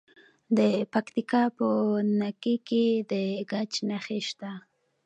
د پکتیکا په نکې کې د ګچ نښې شته.